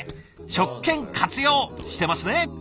職権活用してますね。